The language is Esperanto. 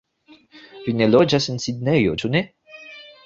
Vi ne loĝas en Sidnejo, ĉu ne?